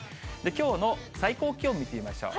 きょうの最高気温、見てみましょう。